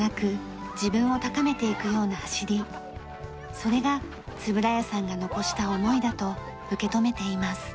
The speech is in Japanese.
それが円谷さんが残した思いだと受け止めています。